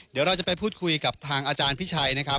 เดี๋ยวเราจะไปพูดคุยกับทางอาจารย์พิชัยนะครับ